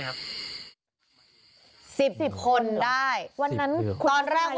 ตอนแรกว่า๕๖คน